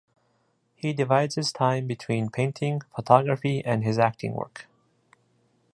He divides his time between painting, photography and his acting work.